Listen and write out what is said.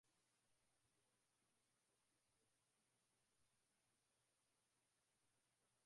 li wa utetezi wa kiongozi huyo wa zamani wa kundi la waasi la mend